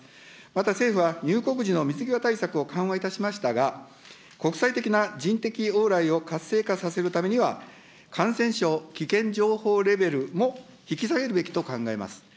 また政府は入国時の水際対策を緩和いたしましたが、国際的な人的往来を活性化させるためには、感染症危険情報レベルも引き下げるべきと考えます。